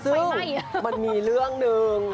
ซึ่งมันมีเรื่องหนึ่ง